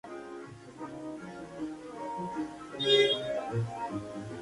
Varias especies han sido descritas y existen probablemente numerosas especies no descritas.